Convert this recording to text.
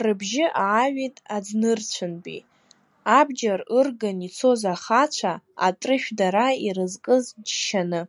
Рыбжьы ааҩит аӡнырцәынтәи, абџьар ырган ицоз ахацәа, атрышә дара ирызкыз џьшьаны.